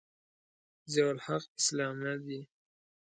ضیأالحق اسلامه دی.